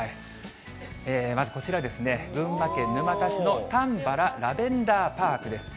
まずこちらですね、群馬県沼田市のたんばらラベンダーパークです。